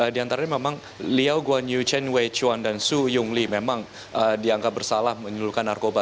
di antara memang liao guan yu chen wei chuan dan su yong li memang dianggap bersalah menyeluruhkan narkoba